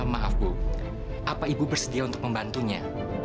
maaf bu apa ibu bersedia untuk membantunya